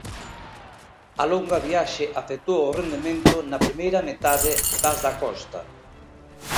A longa viaxe afectou o rendemento na primeira metade das da Costa.